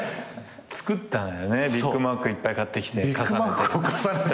作ったんだよねビッグマックいっぱい買ってきて重ねて。